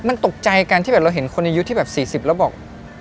มันตกใจกันที่แบบเราเห็นคนอายุที่แบบ๔๐แล้วบอก